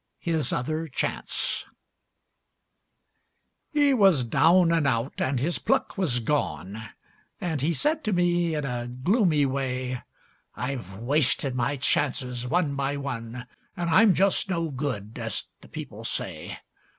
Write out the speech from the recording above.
HIS OTHER CHANCE He was down and out, and his pluck was gone, And he said to me in a gloomy way: "I've wasted my chances, one by one, And I'm just no good, as the people say.